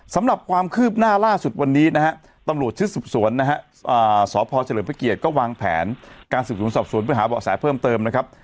สำหรับความคืบหน้าล่าสุดวันนี้นะฮะตำรวจชุดสืบสวนนะฮะสพเฉลิมพระเกียรติก็วางแผนการสืบสวนสอบสวนไปหาเบาะแสเพิ่มเติมนะครับ